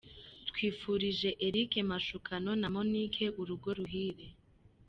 Twifurije Eric Mashukano na Monique urugo ruhire.